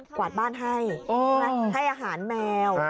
กวาดบ้านให้ให้อาหารแมว